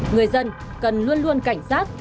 người dân cần luôn luôn cảnh giác